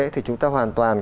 thì chúng ta hoàn toàn